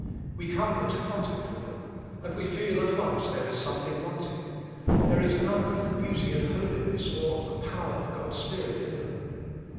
We come into contact with them, and we feel at once there is something wanting; there is none of the beauty of holiness or of the power of God's Spirit in them.